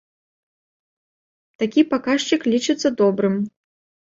Такі паказчык лічыцца добрым.